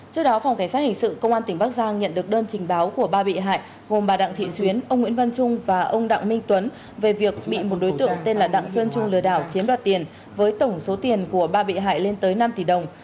trước đó phòng cảnh sát hình sự công an tỉnh bắc giang nhận được đơn trình báo của ba bị hại gồm bà đặng thị xuyến ông nguyễn văn trung và ông đặng minh tuấn về việc bị một đối tượng tên là đặng xuân trung lừa đảo chiếm đoạt tiền với tổng số tiền của ba bị hại lên tới năm tỷ đồng